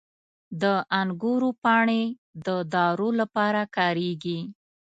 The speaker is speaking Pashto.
• د انګورو پاڼې د دارو لپاره کارېږي.